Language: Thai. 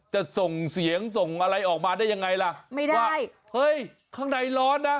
จะส่งเสียงส่งอะไรออกมาได้ยังไงล่ะไม่ได้ว่าใช่เฮ้ยข้างในร้อนนะ